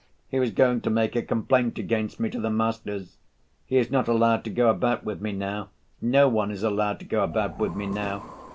He was going to make a complaint against me to the masters. He is not allowed to go about with me now, no one is allowed to go about with me now.